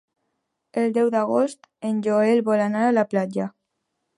El deu d'agost en Joel vol anar a la platja.